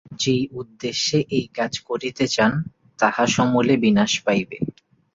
যে উদ্দেশ্যে এই কাজ করিতে চান, তাহা সমূলে বিনাশ পাইবে।